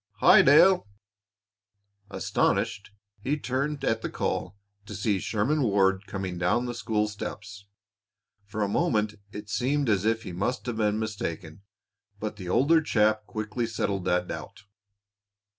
"Hi, Dale!" Astonished, he turned at the call to see Sherman Ward coming down the school steps. For a moment it seemed as if he must have been mistaken, but the older chap quickly settled that doubt.